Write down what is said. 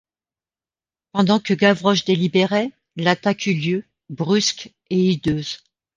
Pendant que Gavroche délibérait, l’attaque eut lieu, brusque et hideuse.